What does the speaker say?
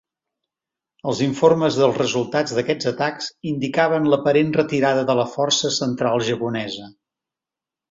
Els informes dels resultats d'aquests atacs, indicaven l'aparent retirada de la força central japonesa.